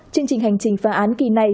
chương trình hành trình phá án kỳ này